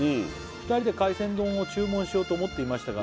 「２人で海鮮丼を注文しようと思っていましたが」